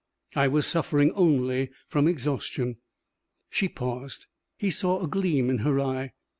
"I was suffering only from exhaustion." She paused. He saw a gleam in her eye.